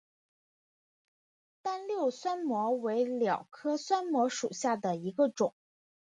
单瘤酸模为蓼科酸模属下的一个种。